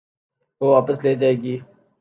وہ واپس لی جائیں گی۔